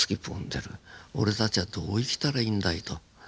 俺たちはどう生きたらいいんだいと。